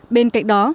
bên cạnh đó